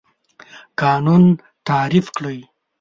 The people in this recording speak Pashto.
قانون تعریف کړئ.